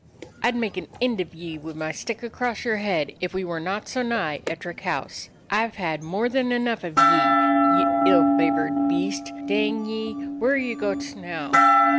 "I 'd make an end of ye wi' my stick across your head if we were not so nigh Ettrick House. I 've had more than enough of ye, ye ill favored beast. Dang ye! where are ye gohT now?"